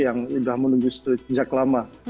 yang sudah menuju sejak lama